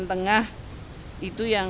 tengah itu yang